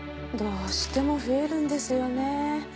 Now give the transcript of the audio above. どうしても増えるんですよね。